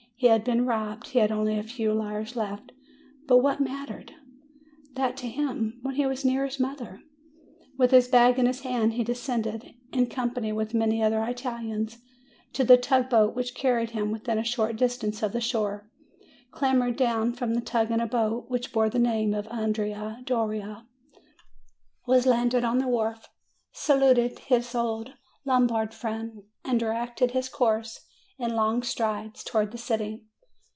He had been robbed; he had only a few lire left; but what mattered FROM APENNINES TO THE ANDES 261 that to him, when he was near his mother ? With his bag in his hand, he descended, in company with many other Italians, to the tug boat which carried him within a short distance of the shore; clambered down from the tug into a boat which bore the name of Andrea Doria; was landed on the wharf; saluted his old Lombard friend, and directed his course, in long strides, to wards the city.